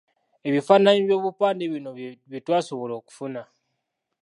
Ebifaananyi by'obupande bino bye twasobola okufuna.